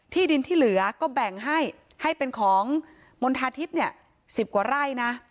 ที่ดินที่เหลือก็แบ่งให้ให้เป็นของมณฑาทิพย์เนี่ย๑๐กว่าไร่นะ